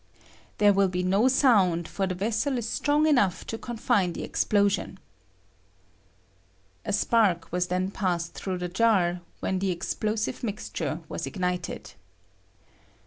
There will bo no sound, for the vessel is strong enough to confine the explosion. [A spark was then passed through the jar, when the explosive mixture was ignited.